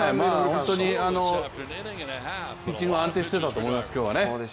本当にピッチングも安定していたと思います、今日はね。